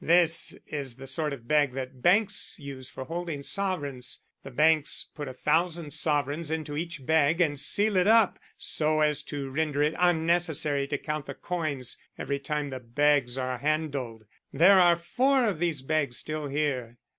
"This is the sort of bag that banks use for holding sovereigns the banks put a thousand sovereigns into each bag and seal it up so as to render it unnecessary to count the coins every time the bags are handled. There are four of these bags still here."